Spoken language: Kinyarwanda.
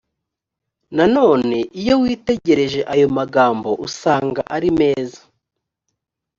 nanone iyo witegereje ayo magambo usanga ari meza